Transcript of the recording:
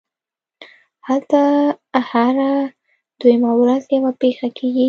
هلته هره دویمه ورځ یوه پېښه کېږي